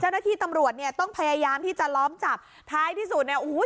เจ้าหน้าที่ตำรวจเนี่ยต้องพยายามที่จะล้อมจับท้ายที่สุดเนี่ยโอ้โห